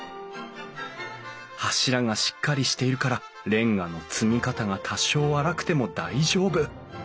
柱がしっかりしているからレンガの積み方が多少粗くても大丈夫！